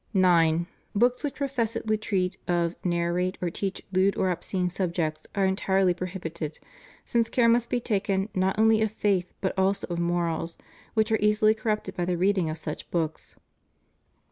9. Books which professedly treat of, narrate, or teach lewd or obscene subjects are entirely prohibited, since care must be taken not only of faith but also of morals, which are easily corrupted by the reading of such books.